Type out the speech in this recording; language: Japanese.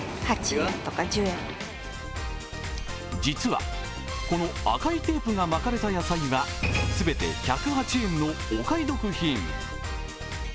実は、この赤いテープが巻かれた野菜は全て１０８円のお買い得品。